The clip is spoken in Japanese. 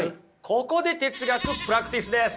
ここで哲学プラクティスです！